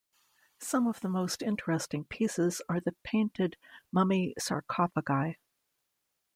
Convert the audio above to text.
Some of the most interesting pieces are the painted mummy sarcophagi.